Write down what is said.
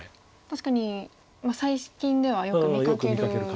確かに最近ではよく見かける。